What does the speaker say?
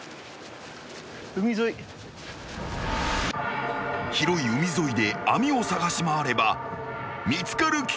［広い海沿いで網を捜し回れば見つかる危険が高まる］